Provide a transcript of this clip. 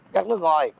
các nước ngoài